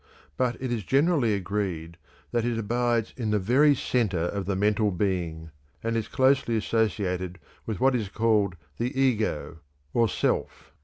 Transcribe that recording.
But it is generally agreed that it abides in the very center of the mental being, and is closely associated with what is called the ego, or self.